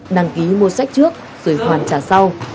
đăng ký mua sách trước rồi hoàn trả sau